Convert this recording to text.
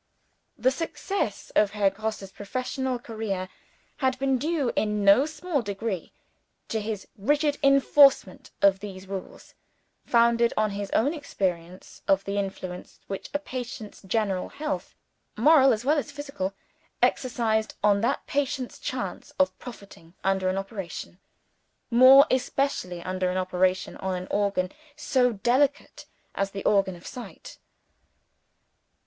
The success of Herr Grosse's professional career had been due, in no small degree, to his rigid enforcement of these rules: founded on his own experience of the influence which a patient's general health, moral as well as physical, exercised on that patient's chance of profiting under an operation more especially under an operation on an organ so delicate as the organ of sight.